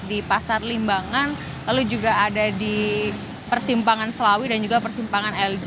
di pasar limbangan lalu juga ada di persimpangan selawi dan juga persimpangan lg